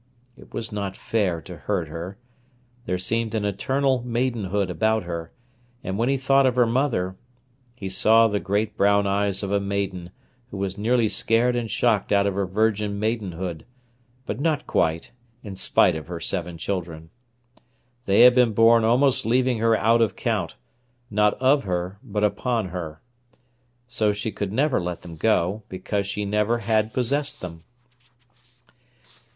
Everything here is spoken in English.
It was not fair to hurt her. There seemed an eternal maidenhood about her; and when he thought of her mother, he saw the great brown eyes of a maiden who was nearly scared and shocked out of her virgin maidenhood, but not quite, in spite of her seven children. They had been born almost leaving her out of count, not of her, but upon her. So she could never let them go, because she never had possessed them.